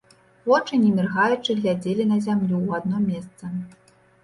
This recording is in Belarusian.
Вочы не міргаючы глядзелі на зямлю ў адно месца.